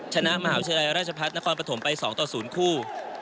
ชนะมหาวิทยาลัยราชพัฒนครปฐมไป๒ต่อ๐คู่